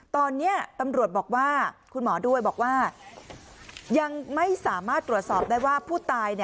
ตอนนี้ตำรวจบอกว่าคุณหมอด้วยบอกว่ายังไม่สามารถตรวจสอบได้ว่าผู้ตาย